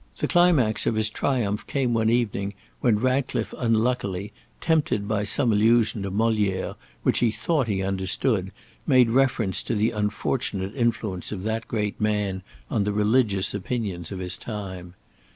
The climax of his triumph came one evening when Ratcliffe unluckily, tempted by some allusion to Molière which he thought he understood, made reference to the unfortunate influence of that great man on the religious opinions of his time.